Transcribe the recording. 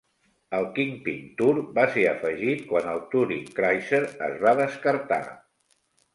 El Kingpin Tour va ser afegit quan el Touring Cruiser es va descartar.